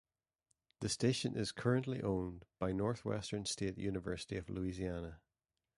The station is currently owned by Northwestern State University of Louisiana.